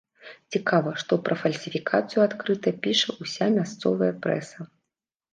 Цікава, што пра фальсіфікацыі адкрыта піша ўся мясцовая прэса.